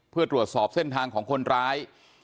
เพื่อตรวจสอบเส้นทางของคนร้าย